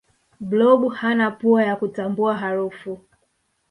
blob hana pua ya kutambua harufu